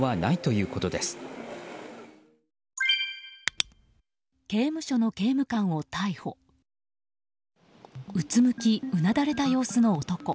うつむきうなだれた様子の男。